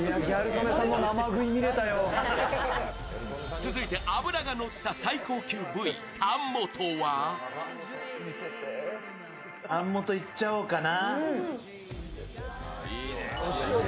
続いて、脂がのった最高級部位、タン元はタン元いっちゃおうかな。